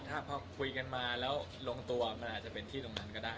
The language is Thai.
ถ้าพอคุยกันมาแล้วลงตัวมันอาจจะเป็นที่ตรงนั้นก็ได้